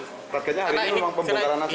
targetnya hari ini memang pembukaan saja